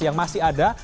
yang masih ada